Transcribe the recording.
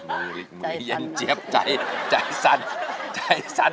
มือเย็นเจี๊ยบใจสั่น